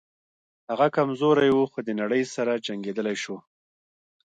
هغه کمزوری و خو د نړۍ سره جنګېدلی شو